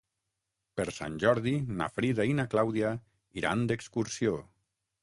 Per Sant Jordi na Frida i na Clàudia iran d'excursió.